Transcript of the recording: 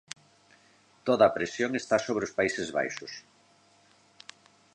Toda a presión está sobre Países Baixos.